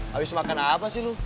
habis makan apa sih lu